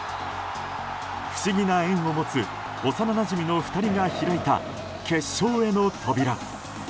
不思議な縁を持つ幼なじみの２人が開いた決勝への扉。